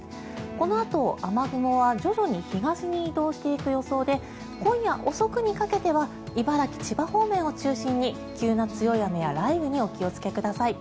このあと、雨雲は徐々に東に移動していく予想で今夜遅くにかけては茨城、千葉方面を中心に急な強い雨や雷雨にお気をつけください。